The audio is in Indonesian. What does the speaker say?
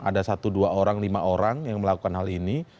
ada satu dua orang lima orang yang melakukan hal ini